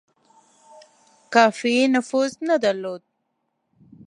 کافي نفوذ نه درلود.